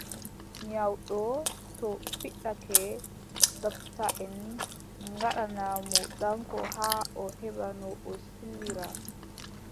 Nyawɗo to fiɗake, ndoptaʼen ngaɗana mo danko haa o heɓa no o sillira.